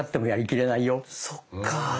そっかあ。